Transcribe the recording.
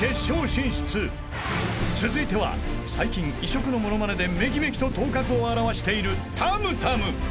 ［続いては最近異色のものまねでめきめきと頭角を現している］